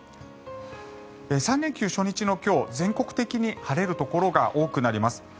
３連休初日の今日全国的に晴れるところが多くなります。